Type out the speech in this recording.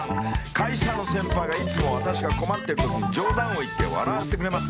「会社の先輩がいつも私が困っているときに冗談を言って笑わせてくれます。